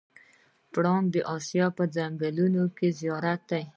پړانګ د اسیا په ځنګلونو کې زیات دی.